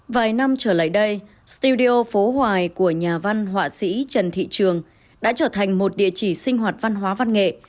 vài năm trở lại đây studio phố hoài của nhà văn họa sĩ trần thị trường đã trở thành một địa chỉ sinh hoạt văn hóa văn nghệ